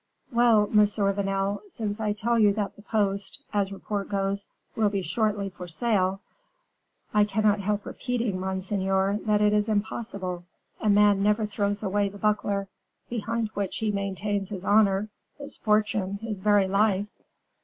"Well, Monsieur Vanel, since I tell you that the post, as report goes, will be shortly for sale " "I cannot help repeating, monseigneur, that it is impossible; a man never throws away the buckler, behind which he maintains his honor, his fortune, his very life."